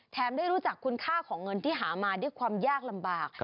ได้รู้จักคุณค่าของเงินที่หามาด้วยความยากลำบาก